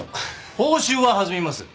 報酬は弾みます。